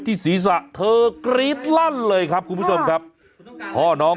ศีรษะเธอกรี๊ดลั่นเลยครับคุณผู้ชมครับพ่อน้อง